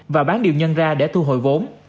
và bán điều nhân ra để thu hồi vốn